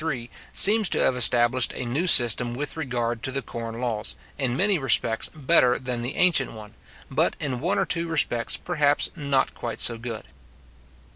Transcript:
43, seems to have established a new system with regard to the corn laws, in many respects better than the ancient one, but in one or two respects perhaps not quite so good.